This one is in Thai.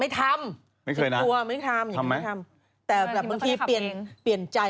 ทำหน้ามืนไหม